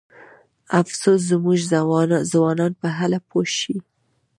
افسوس زموږ ځوانان به هله پوه شي.